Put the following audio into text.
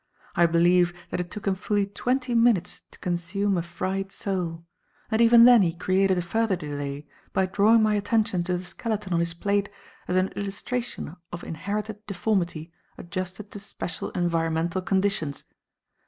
I believe that it took him fully twenty minutes to consume a fried sole; and even then he created a further delay by drawing my attention to the skeleton on his plate as an illustration of inherited deformity adjusted to special environmental conditions.